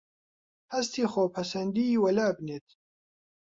هەستی خۆپەسەندیی وەلابنێیت